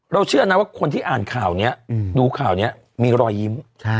เชื่อนะว่าคนที่อ่านข่าวนี้ดูข่าวนี้มีรอยยิ้ม